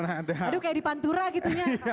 aduh kayak di pantura gitu ya